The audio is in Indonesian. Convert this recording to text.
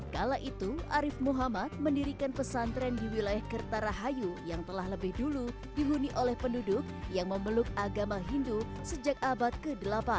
kala itu arif muhammad mendirikan pesantren di wilayah kertarahayu yang telah lebih dulu dihuni oleh penduduk yang memeluk agama hindu sejak abad ke delapan